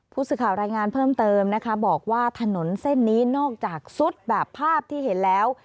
ผู้สื่อข่าวรายงานเพิ่มเติมนะคะบอกว่าถนนเส้นนี้นอกจากซุดแบบภาพที่เห็นแล้ว